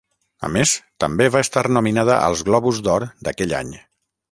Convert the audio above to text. A més, també va estar nominada als Globus d'Or d'aquell any.